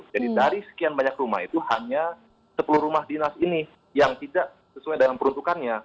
dari sekian banyak rumah itu hanya sepuluh rumah dinas ini yang tidak sesuai dengan peruntukannya